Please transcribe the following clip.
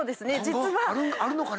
今後あるのかな？